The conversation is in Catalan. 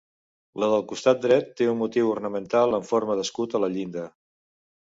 La del costat dret té un motiu ornamental en forma d’escut a la llinda.